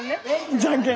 じゃんけん。